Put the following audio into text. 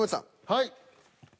はい。